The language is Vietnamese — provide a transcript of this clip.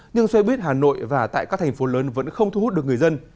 nhưng xe buýt hà nội và tại các thành phố lớn vẫn không thu hút được người dân